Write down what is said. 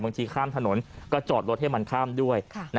ข้ามถนนก็จอดรถให้มันข้ามด้วย